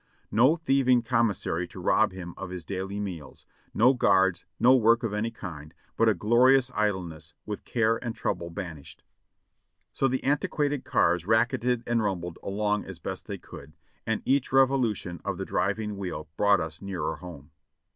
No thieving commissary to rob him of his daily meals, no guards, no work of any kind, but a glorious idleness, with care and trouble banished. So the antiquated cars racketed and rumbled OFF DUTY 561 along as best they could, and each revolution of the driving wheel brought us nearer home.